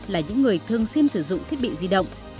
là những người thường xuyên sử dụng thiết bị di động